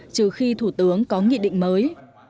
trừ khi thủ tướng có nghị định mới